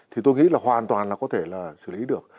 thì tôi nghĩ là hoàn toàn là có thể là xử lý được